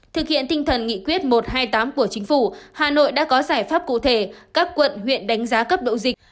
thực hiện tinh thần nghị quyết một trăm hai mươi tám của chính phủ hà nội đã có giải pháp cụ thể các quận huyện đánh giá cấp độ dịch